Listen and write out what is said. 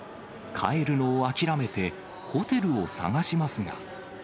帰るのを諦めて、ホテルを探しますが。